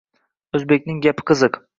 O‘zbekning gapi qiziq.